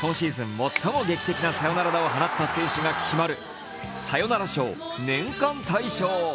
最も劇的なサヨナラ打を放った選手が決まる、サヨナラ賞・年間大賞。